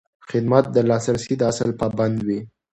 خدمت د لاسرسي د اصل پابند وي.